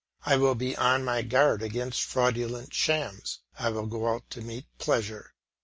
I will be on my guard against fraudulent shams; I will go out to meet pleasure.